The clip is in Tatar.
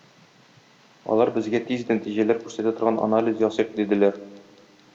Алар безгә тиз нәтиҗәләр күрсәтә торган анализ ясыйк, диделәр.